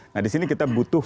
nah disini kita butuh